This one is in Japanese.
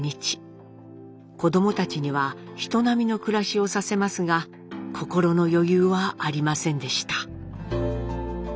子どもたちには人並みの暮らしをさせますが心の余裕はありませんでした。